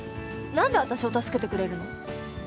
何で私を助けてくれるの？